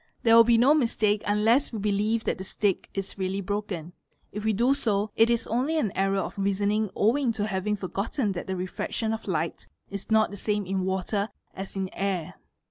There will be no mistake unless we believe that the stick is really broken; if we do so, it is only an error of reasoning' owing to having forgotten that the refraction of light is not the same in water asin air.